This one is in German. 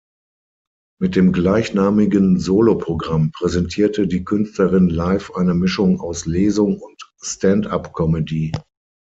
Mit dem gleichnamigen Solo-Programm präsentierte die Künstlerin live eine Mischung aus Lesung und Stand-up-Comedy.